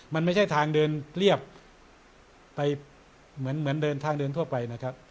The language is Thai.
มันไม่ใช่ทางเดินเรียบไปเหมือนเดินทางเดินทั่วไปนะครับ